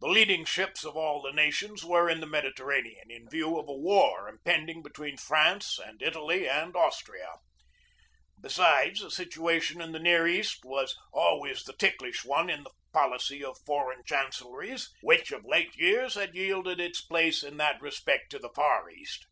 The leading ships of all the nations were in the Mediterranean, in view of a war impending between France and Italy and Austria. Besides, the situation in the Near East was always the ticklish one in the policy of foreign chancelleries, which, of late years, has yielded its place in that respect to the Far East.